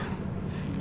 ibu ada kontrakan kecil